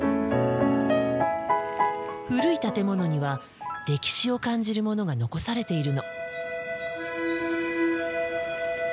古い建物には歴史を感じるものが残されているの。